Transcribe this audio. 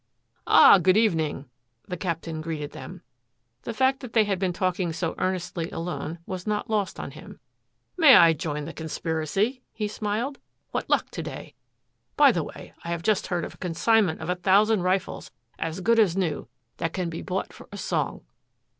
"Ah, good evening," the Captain greeted them. The fact that they had been talking so earnestly alone was not lost on him. "May I join the conspiracy?" he smiled. "What luck to day? By the way, I have just heard of a consignment of a thousand rifles as good as new that can be bought for a song."